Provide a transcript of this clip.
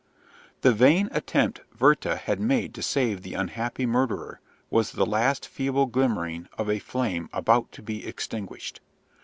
The vain attempt Werther had made to save the unhappy murderer was the last feeble glimmering of a flame about to be extinguished.